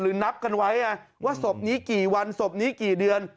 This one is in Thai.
นับกันไว้ว่าศพนี้กี่วันศพนี้กี่เดือน